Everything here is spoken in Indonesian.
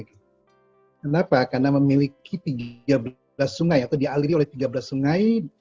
kenapa karena memiliki tiga belas sungai atau dialiri oleh tiga belas sungai